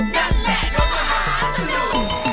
นั่นแหละรถมหาสนุก